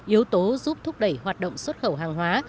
yếu tố giúp thúc đẩy hoạt động xuất khẩu hàng hóa